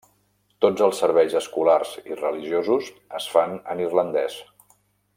Tots els serveis escolars i religiosos es fan en irlandès.